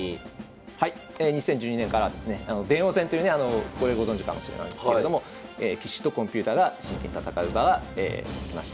はい２０１２年からはですね電王戦というねこれご存じかもしれないんですけれども棋士とコンピューターが真剣に戦う場ができました。